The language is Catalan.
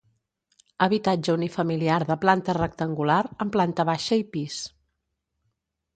Habitatge unifamiliar de planta rectangular amb planta baixa i pis.